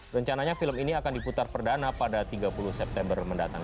rencananya film ini akan diputar perdana pada tiga puluh september mendatang